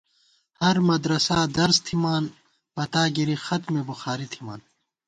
ہرمدرسا درس تھِمان پتاگِری ختم بخاری تھِمان